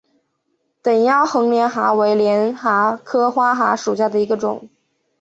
等腰横帘蛤为帘蛤科花蛤属下的一个种。